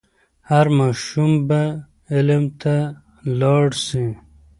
هر ماشوم به علم ته لاړ سي.